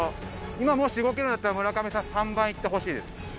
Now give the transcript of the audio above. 今もし動けるんだったら村上さん３番行ってほしいです。